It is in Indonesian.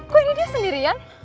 kok ini dia sendirian